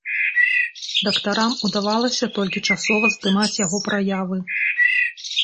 Дактарам удавалася толькі часова здымаць яго праявы.